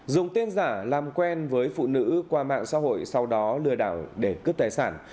dùng tên giả làm quen với phụ nữ qua mạng xã hội sau đó lừa đảo để cướp tài sản